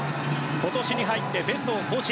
今年に入ってベストを更新。